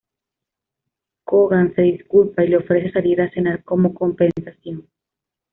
Coogan se disculpa y le ofrece salir a cenar como compensación.